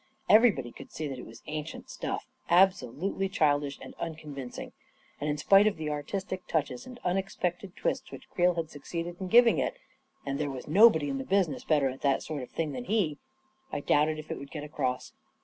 Everybody could see that it was ancient stuff, absolutely childish and uncon vincing, and in spite of the artistic touches and un expected twists which Creel had succeeded in giv ing it — and there was nobody in the business better at that sort of thing than he — I doubted if it would get across.